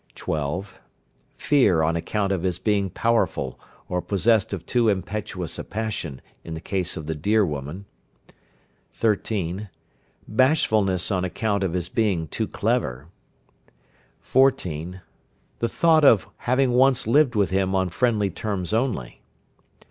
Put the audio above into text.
12. Fear on account of his being powerful, or possessed of too impetuous passion, in the case of the deer woman. 13. Bashfulness on account of his being too clever. 14. The thought of having once lived with him on friendly terms only.